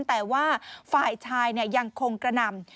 แต่ว่าฝ่ายชายยังคงกระหน่ำ